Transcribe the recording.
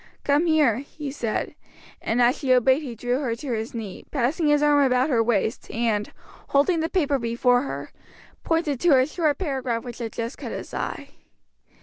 "Come here," he said, and as she obeyed he drew her to his knee, passing his arm about her waist, and, holding the paper before her, pointed to a short paragraph which had just caught his eye.